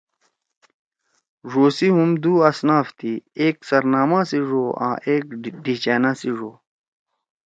ڙو سی ہُم دُو اصناف تھی ایک سرناما سی ڙو آں ایک ڈھیِچأنا سی ڙو۔